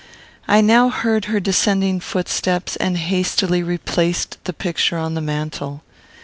I now heard her descending footsteps, and hastily replaced the picture on the mantel.